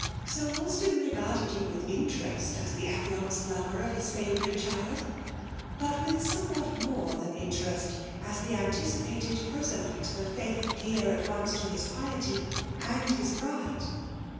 Sir Wolstan regarded you with inte* rest as the affianced lover of his favourite child; but, with somewhat more than interest, as the anticipated proselyte of a faith dear at once to his piety and his pride.